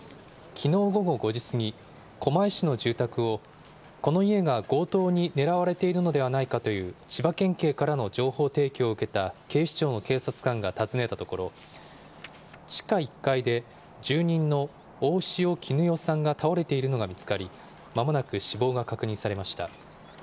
きのう午後５時過ぎ、狛江市の住宅を、この家が強盗に狙われているのではないかという千葉県警からの情報提供を受けた警視庁の警察官が訪ねたところ、地下１階で住人の大塩衣よさんが倒れているのが見つかり、まもなく死亡が確認されました。